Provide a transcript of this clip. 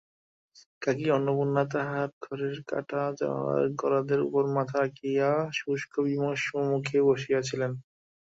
কাকী অন্নপূর্ণা তাঁহার ঘরের কাটা জানালার গরাদের উপর মাথা রাখিয়া শুষ্কবিমর্ষমুখে বসিয়াছিলেন।